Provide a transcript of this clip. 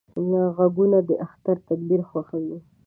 غوږونه د اختر تکبیر خوښوي